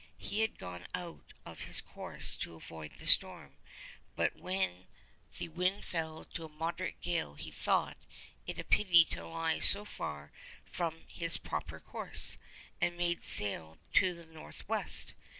He had gone out of his course to avoid the storm, but when the wind fell to a moderate gale he thought it a pity to lie so far from his proper course, and made sail to the north west.